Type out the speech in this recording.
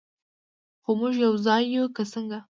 خو موږ به یو ځای یو، که څنګه؟